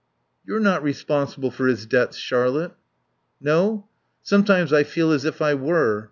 "You're not responsible for his debts, Charlotte." "No? Sometimes I feel as if I were.